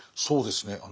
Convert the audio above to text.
そうですね